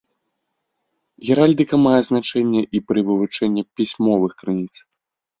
Геральдыка мае значэнне і пры вывучэнні пісьмовых крыніц.